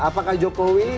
apakah itu yang lebih penting